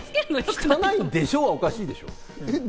「汚いでしょ」はおかしいでしょ！